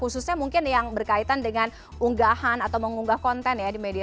khususnya mungkin yang berkaitan dengan unggahan atau mengunggah konten ya di media